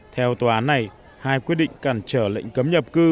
theo tòa án này hai quyết định cản trở lệnh cấm nhập cư